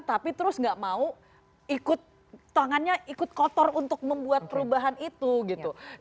tapi terus gak mau ikut tangannya ikut kotor untuk membuat perubahan itu gitu